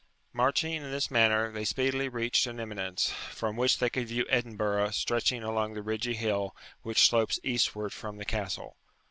Marching in this manner they speedily reached an eminence, from which they could view Edinburgh stretching along the ridgy hill which slopes eastward from the Castle.